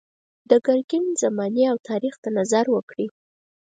د ګرګین زمانې او تاریخ ته نظر وکړئ.